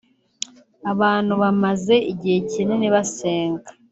abantu bamaze igihe kinini basenga